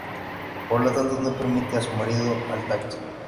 Por lo tanto, no permite a su marido al tacto.